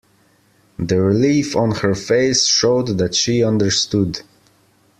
The relief on her face showed that she understood.